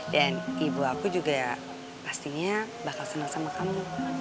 dan ibu aku juga pastinya bakal senang sama kamu